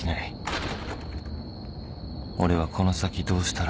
俺はこの先どうしたら］